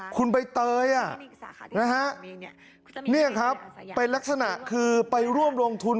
คุณใบเตยนี่ครับเป็นลักษณะคือไปร่วมลงทุน